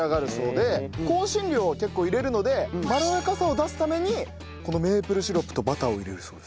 香辛料を結構入れるのでまろやかさを出すためにこのメープルシロップとバターを入れるそうです。